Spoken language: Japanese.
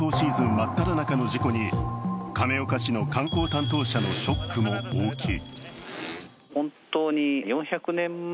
真っただ中の事故に亀岡市の観光担当者のショックも大きい。